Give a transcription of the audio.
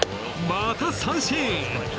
また三振！